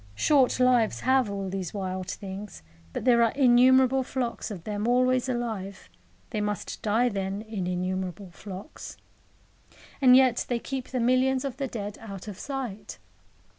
Short lives have all these wild things, but there are innumerable flocks of them always alive; they must die, then, in innumerable flocks. And yet they keep the millions of the dead out of sight.